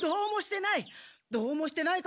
どうもしてない！